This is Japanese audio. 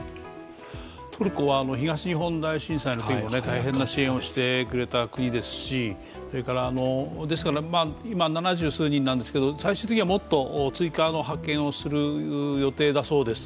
トルコは東日本大震災のときにも大変な支援をしてくれた国ですしですから今、七十数人なんですけど最終的にはもっと追加の派遣をするそうです。